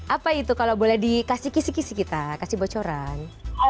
apa itu kalau boleh dikasih kisi kisi kita kasih bocoran